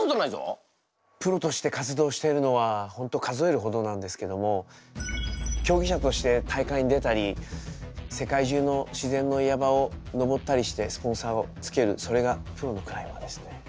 プロとして活動しているのは本当数えるほどなんですけども競技者として大会に出たり世界中の自然の岩場を登ったりしてスポンサーをつけるそれがプロのクライマーですね。